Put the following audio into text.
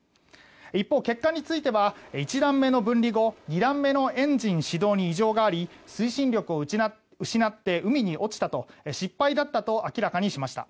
一方、結果については１段目の分離後２段目のエンジン始動に異常があり推進力を失って海に落ちたと失敗だったと明らかにしました。